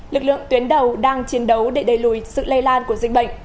lực lượng tuyến đầu đang chiến đấu để đầy lùi sự lây lan của dịch bệnh